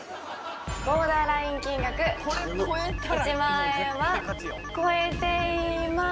ボーダーライン金額１万円は超えています！